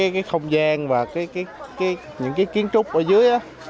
cái không gian và những cái kiến trúc ở dưới á